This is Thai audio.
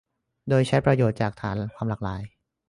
โดยใช้ประโยชน์จากฐานความหลากหลาย